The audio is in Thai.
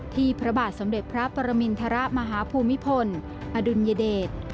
ที่พระบาทสำเด็จพระนะพันว์มิทระมหาภูมิภลอดุลยเดช